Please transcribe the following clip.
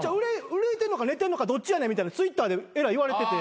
憂いてんのか寝てんのかどっちやねんみたいなＴｗｉｔｔｅｒでえらい言われてて。